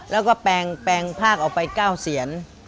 แล้วก็แปลงภาคออกไป๙เสียน